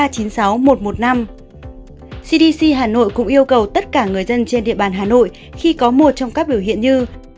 cdc hà nội cũng yêu cầu tất cả người dân trên địa bàn hà nội khi có một trong các biểu hiện như